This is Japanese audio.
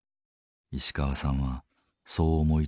石川さんはそう思い詰めている。